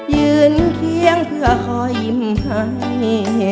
ยืนเคียงเพื่อคอยยิ้มให้